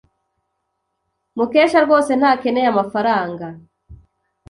Mukesha rwose ntakeneye amafaranga.